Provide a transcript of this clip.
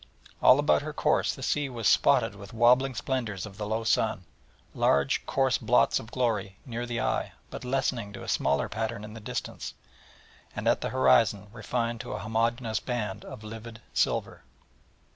All about her course the sea was spotted with wobbling splendours of the low sun, large coarse blots of glory near the eye, but lessening to a smaller pattern in the distance, and at the horizon refined to a homogeneous band of livid silver.